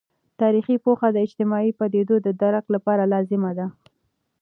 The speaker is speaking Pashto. تاریخي پوهه د اجتماعي پدیدو د درک لپاره لازمي ده.